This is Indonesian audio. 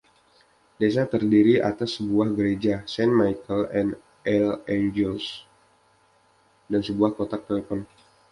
Desa terdiri atas sebuah gereja, "Saint Michael and All Angels", dan sebuah kotak telepon.